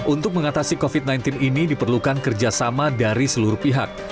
untuk mengatasi covid sembilan belas ini diperlukan kerjasama dari seluruh pihak